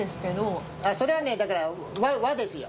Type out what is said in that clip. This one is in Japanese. あぁそれはねだから「和」ですよ。